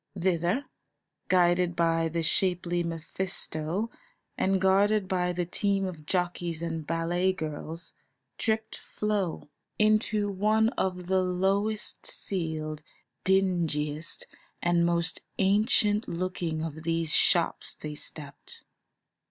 Thither, guided by the shapely Mephisto and guarded by the team of jockeys and ballet girls, tripped Flo. Into one of the lowest ceiled, dingiest, and most ancient looking of these shops they stepped.